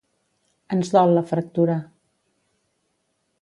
Ens dol la fractura.